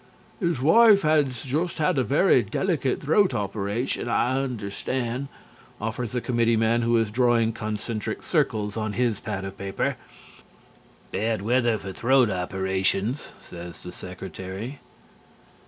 "His wife has just had a very delicate throat operation, I understand," offers a committeeman who is drawing concentric circles on his pad of paper. "Bad weather for throat operations," says the Secretary.